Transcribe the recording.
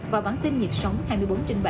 và bản tin nhiệt sóng hai mươi bốn trên bảy